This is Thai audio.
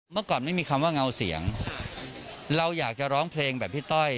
เมื่อก่อนไม่มีคำว่าเงาเสียงเราอยากจะร้องเพลงแบบพี่ต้อย